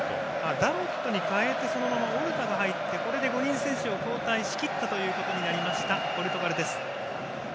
ダロットに代えてそのままオルタが入ってこれで５人選手を交代しきったということになりましたポルトガルです。